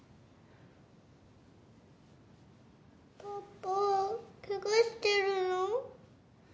パパけがしてるの？